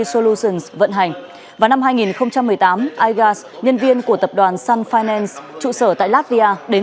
solutions vận hành vào năm hai nghìn một mươi tám igas nhân viên của tập đoàn sun finance trụ sở tại latvia đến